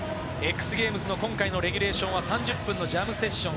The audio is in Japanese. ＸＧａｍｅｓの今回のレギュレーションは３０分のジャムセッション。